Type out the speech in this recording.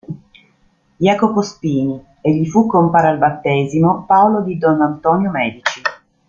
Iacopo Spini, e gli fu compare al battesimo Paolo di Don Antonio Medici.